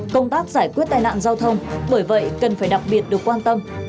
công tác giải quyết tai nạn giao thông bởi vậy cần phải đặc biệt được quan tâm